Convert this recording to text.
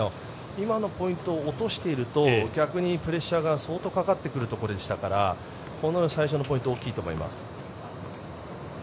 今のポイントを落としていると逆にプレッシャーが相当かかってくるところでしたから最初のポイントは大きいと思います。